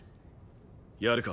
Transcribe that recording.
やるか？